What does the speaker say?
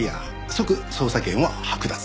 即捜査権は剥奪。